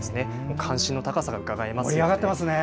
関心の高さがうかがえます。